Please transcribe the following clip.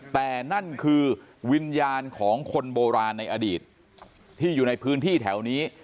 แต่นั่นคือวิญญาณของคนโบราณในอดีตที่อยู่ในพื้นที่แถวนี้